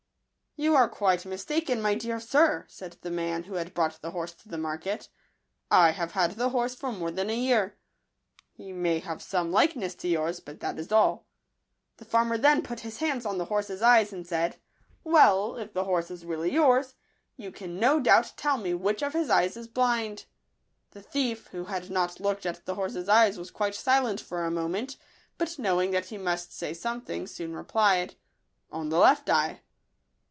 " You are quite mistaken, my dear sir," said the man who had brought the horse to the market ;" I have had the horse for more than a year. He may have some likeness to yours ; but that is all." The far mer then put his hands on the horse's eyes, and said, " Well, if the horse is really yours, you can no doubt tell me which of his eyes is blind." The thief, who had not looked at the horse's eyes, was quite silent for a mo ment ; but knowing that he must say some thing, soon replied, " On the left eye."